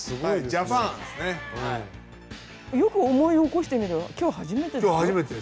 よく思い起こしてみれば今日初めて。